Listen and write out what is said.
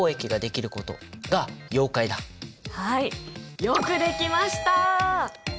はいよくできました！